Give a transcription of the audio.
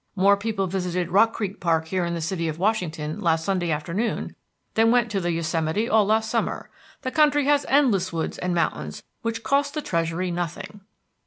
More people visited Rock Creek Park here in the city of Washington last Sunday afternoon than went to the Yosemite all last summer. The country has endless woods and mountains which cost the Treasury nothing."